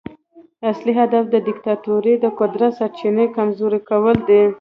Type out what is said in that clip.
اصلي هدف د دیکتاتورۍ د قدرت سرچینې کمزوري کول دي.